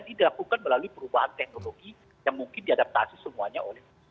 dilakukan melalui perubahan teknologi yang mungkin diadaptasi semuanya oleh